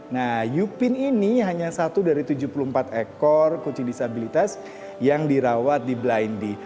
nah yupin ini hanya satu dari tujuh puluh empat ekor kucing disabilitas yang dirawat di blendy